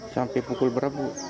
sampai pukul berapa